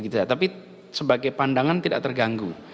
tapi sebagai pandangan tidak terganggu